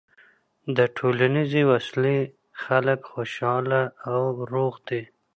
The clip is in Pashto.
د ټولنیزې وصلۍ خلک خوشحاله او روغ دي.